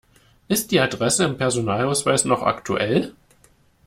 Ist die Adresse im Personalausweis noch aktuell?